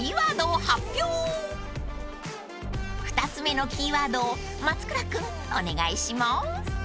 ［２つ目のキーワードを松倉君お願いしまーす］